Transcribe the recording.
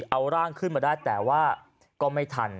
เอาร่างขึ้นมาได้แต่ว่าก็ไม่ทัน